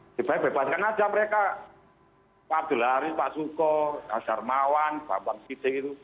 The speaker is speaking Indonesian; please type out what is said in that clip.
lebih baik bebaskan saja mereka pak abdul haris pak suko pak sarmawan pak bang siti gitu